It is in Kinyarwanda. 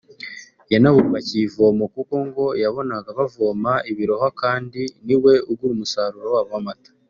yanabubakiye ivomo kuko ngo yabonaga bavoma ibirohwa kandi ni we ugura umusaruro wabo w’amata